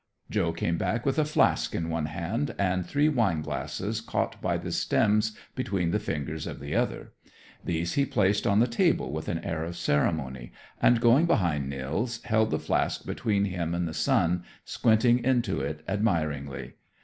Joe came back with a flask in one hand and three wine glasses caught by the stems between the fingers of the other. These he placed on the table with an air of ceremony, and, going behind Nils, held the flask between him and the sun, squinting into it admiringly.